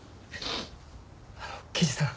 あの刑事さん。